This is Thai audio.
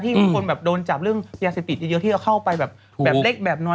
ที่มีคนโดนจับเรื่องยาสิตเยอะที่เอาเข้าไปแบบเล็กแบบน้อย